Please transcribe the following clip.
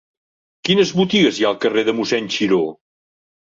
Quines botigues hi ha al carrer de Mossèn Xiró?